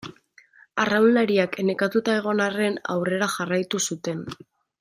Arraunlariak nekatuta egon arren aurrera jarraitu zuten.